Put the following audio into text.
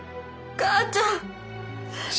母ちゃん！